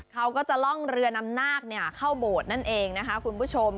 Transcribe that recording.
เขาก็จะล่องเรือนำนาคเข้าโบสถ์นั่นเองนะคะคุณผู้ชม